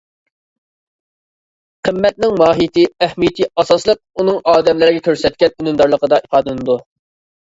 قىممەتنىڭ ماھىيىتى، ئەھمىيىتى ئاساسلىق، ئۇنىڭ ئادەملەرگە كۆرسەتكەن ئۈنۈمدارلىقىدا ئىپادىلىنىدۇ.